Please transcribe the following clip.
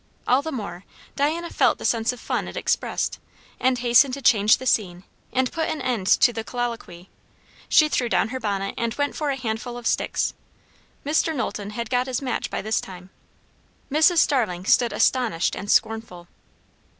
All the more, Diana felt the sense of fun it expressed, and hastened to change the scene and put an end to the colloquy. She threw down her bonnet and went for a handful of sticks. Mr. Knowlton had got his match by this time. Mrs. Starling stood astonished and scornful.